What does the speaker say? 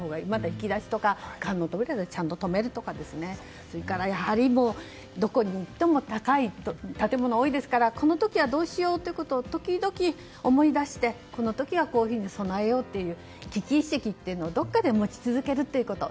引き出しとか家具をちゃんと留めるとかそれからやはりどこに行っても高い建物が多いですからこの時はどうしようってことを思い出してこの時はこう備えようとか危機意識というのをどこかで持ち続けるということ。